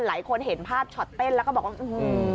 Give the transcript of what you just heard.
หลายคนเห็นภาพช็อตเต้นแล้วก็บอกว่า